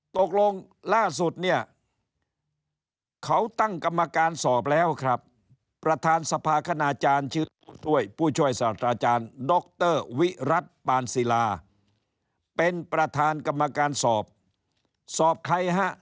ตกลงล่าสุดเนี่ย